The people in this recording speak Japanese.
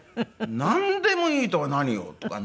「なんでもいいとは何よ？」とかね。